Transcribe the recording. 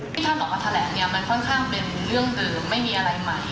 ท่านออกมาแถลงเนี่ยมันค่อนข้างเป็นเรื่องเดิมไม่มีอะไรใหม่